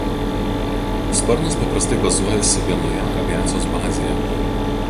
Sparnas paprastai bazuojasi vienoje aviacijos bazėje.